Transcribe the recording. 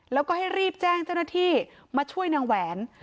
แล้วก็ให้รีบแจ้งเจ้าหน้าที่มาช่วยนางแหวน